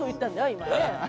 今ね。